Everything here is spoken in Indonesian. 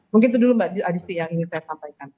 mungkin itu dulu mbak adisti yang ingin saya sampaikan